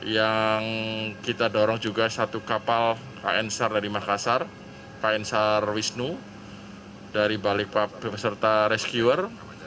yang kita dorong juga satu kapal kn sar dari makassar kn sar wisnu dari balikpapan serta rescuer